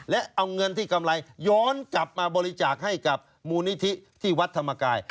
และเอาเงินที่กำไรย้อนกลับมาบริจาคให้กับมูลนิธิที่วัดธรรมกาย